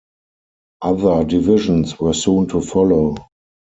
Other divisions were soon to follow.